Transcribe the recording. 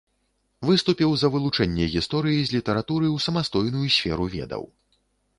Выступіў за вылучэнне гісторыі з літаратуры ў самастойную сферу ведаў.